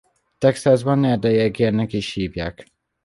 Texasban erdei egérnek is hívják.